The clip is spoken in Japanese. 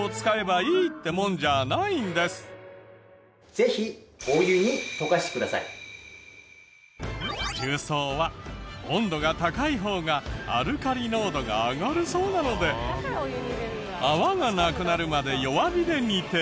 ぜひ重曹は温度が高い方がアルカリ濃度が上がるそうなので泡がなくなるまで弱火で煮て。